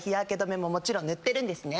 もちろん塗ってるんですね。